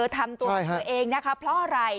ทำตัวตัวเองนะคะเพราะอะไร